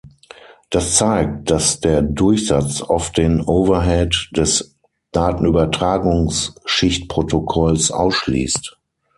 Das zeigt, dass der Durchsatz oft den Overhead des Datenübertragungsschichtprotokolls ausschließt.